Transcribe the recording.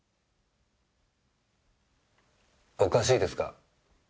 おかしいですか？